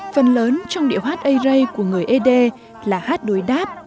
phần lớn trong điệu hát ây rây của người ế đê là hát đối đáp